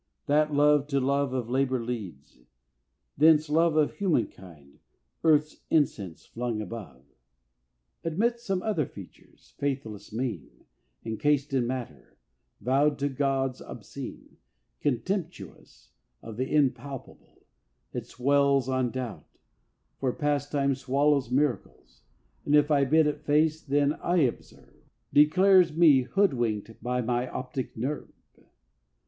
That love to love of labour leads: thence love Of humankind earth's incense flung above. Admit some other features: Faithless, mean; Encased in matter; vowed to Gods obscene; Contemptuous of the impalpable, it swells On Doubt; for pastime swallows miracles; And if I bid it face what I observe, Declares me hoodwinked by my optic nerve!